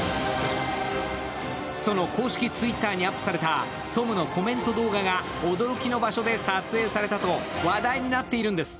その公式Ｔｗｉｔｔｅｒにアップされたトムのコメント動画が驚きの場所で撮影されたと話題になっているんです。